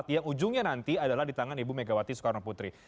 yang ujungnya nanti adalah di tangan ibu megawati soekarno putri